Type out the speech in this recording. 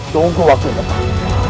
tunggu waktu yang depan